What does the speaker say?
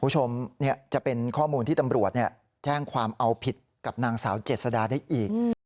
คุณผู้ชมจะเป็นข้อมูลที่ตำรวจแจ้งความเอาผิดกับนางสาวเจษดาได้อีก